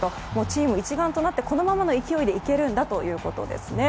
チーム一丸となってこのままの勢いでいけるんだということです。